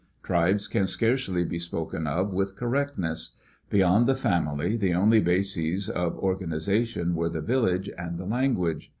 Tribes can scarcely be spoken of with correctness. Beyond the family the only bases of organization were the village and the language.